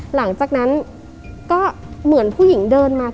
หลังจากนั้นก็เหมือนผู้หญิงเดินมา